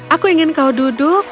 aku ingin kau duduk